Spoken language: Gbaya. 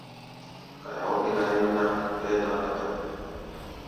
Kaya ɔ́ ɓérá nyɛ́mná, ɛ́ɛ́ dáŋ takáɗi.